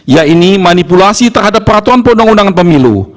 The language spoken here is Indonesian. yaitu manipulasi terhadap peraturan perundang undangan pemilu